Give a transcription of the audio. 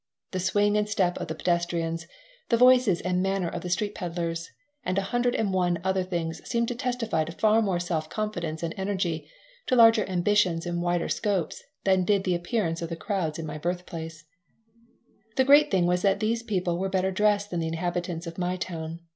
The swing and step of the pedestrians, the voices and manner of the street peddlers, and a hundred and one other things seemed to testify to far more self confidence and energy, to larger ambitions and wider scopes, than did the appearance of the crowds in my birthplace The great thing was that these people were better dressed than the inhabitants of my town.